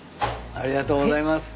ありがとうございます。